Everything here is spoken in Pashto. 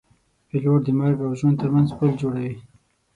پیلوټ د مرګ او ژوند ترمنځ پل جوړوي.